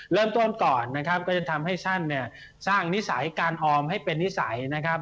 เริ่มต้นก่อนนะครับก็จะทำให้ท่านเนี่ยสร้างนิสัยการออมให้เป็นนิสัยนะครับ